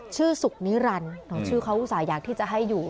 สุกนิรันดิ์ชื่อเขาอุตส่าห์อยากที่จะให้อยู่